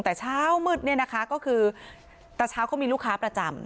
แต่เช้ามืดเนี่ยนะคะก็คือตะเช้าเขามีลูกค้าประจำ